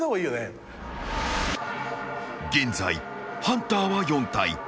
［現在ハンターは４体］